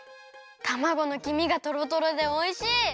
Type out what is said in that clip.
たまごのきみがとろとろでおいしい！